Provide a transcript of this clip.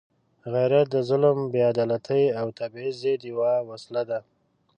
غیرت د ظلم، بېعدالتۍ او تبعیض ضد یوه وسله ده.